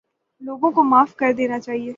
لوگوں کو معاف کر دینا چاہیے